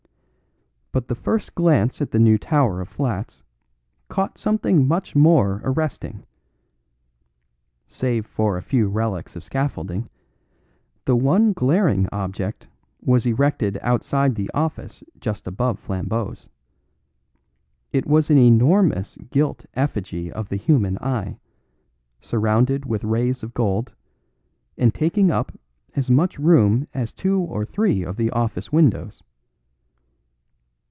But the first glance at the new tower of flats caught something much more arresting. Save for a few relics of scaffolding, the one glaring object was erected outside the office just above Flambeau's. It was an enormous gilt effigy of the human eye, surrounded with rays of gold, and taking up as much room as two or three of the office windows.